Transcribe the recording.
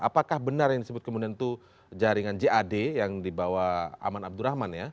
apakah benar yang disebut kemudian itu jaringan jad yang dibawa aman abdurrahman ya